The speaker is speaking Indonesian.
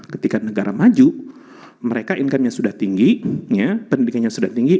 ketika negara maju mereka income nya sudah tinggi pendidikannya sudah tinggi